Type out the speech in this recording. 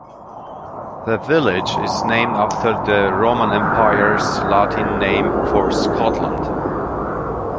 The village is named after the Roman Empire's Latin name for Scotland.